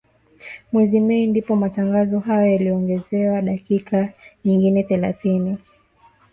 Mwezi Mei ndipo matangazo hayo yaliongezewa dakika nyingine thelathini